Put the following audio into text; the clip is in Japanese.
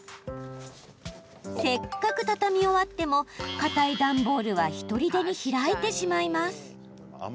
せっかく畳み終わってもかたい段ボールはひとりでに開いてしまいます。